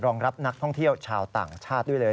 รองรับนักท่องเที่ยวชาวต่างชาติด้วยเลย